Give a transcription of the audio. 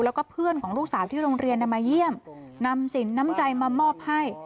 แล้วก็เพื่อนของลูกสาวที่โรงเรียนมาเยี่ยมนำสินน้ำใจมามอบให้